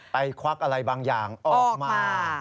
ไปควักอะไรบางอย่างออกมาออกมา